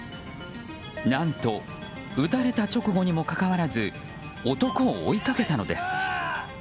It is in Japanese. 何と撃たれた直後にもかかわらず男を追いかけたのです。